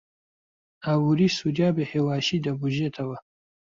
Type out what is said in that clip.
ئابووری سووریا بەهێواشی دەبوژێتەوە.